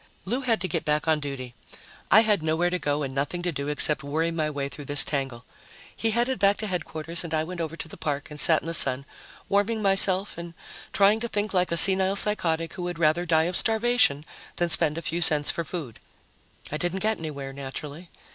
Lou had to get back on duty. I had nowhere to go and nothing to do except worry my way through this tangle. He headed back to Headquarters and I went over to the park and sat in the sun, warming myself and trying to think like a senile psychotic who would rather die of starvation than spend a few cents for food. I didn't get anywhere, naturally.